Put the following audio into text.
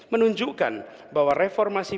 menunjukkan bahwa reformasi